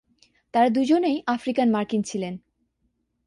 তারা দুজনেই আফ্রিকান মার্কিন ছিলেন।